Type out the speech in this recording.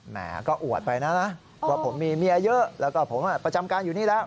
แหมก็อวดไปนะนะว่าผมมีเมียเยอะแล้วก็ผมประจำการอยู่นี่แล้ว